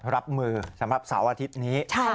รับมือสำหรับเสาร์อาทิตย์นี้